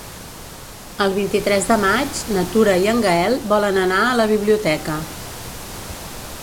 El vint-i-tres de maig na Tura i en Gaël volen anar a la biblioteca.